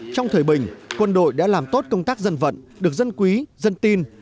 trong thời bình quân đội đã làm tốt công tác dân vận được dân quý dân tin